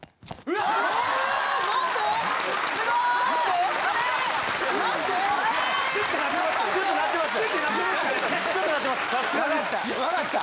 ・わかった！